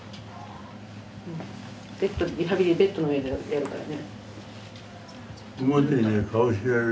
リハビリベッドの上でやるからね。